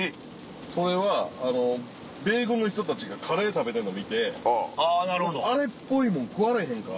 それはあの米軍の人たちがカレー食べてんの見てあれっぽいもん食われへんか？